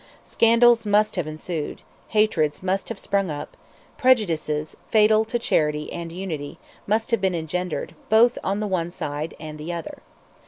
Scandals must have ensued; hatreds must have sprung up; prejudices, fatal to charity and unity, must have been engendered, both on the one side and the other.